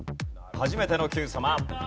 初めての『Ｑさま！！』。